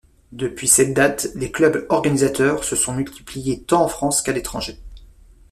Depuis cette date, les clubs organisateurs se sont multipliés tant en France qu’à l'étranger.